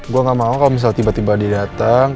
gue gak mau kalau misalnya tiba tiba dia datang